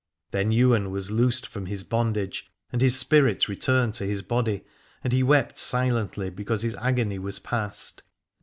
Then Ywain was loosed from his bondage and his spirit returned into his body, and he wept silently because his agony was past.